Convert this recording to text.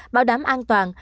bảo đảm an toàn